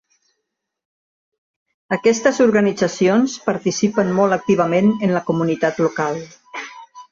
Aquestes organitzacions participen molt activament en la comunitat local.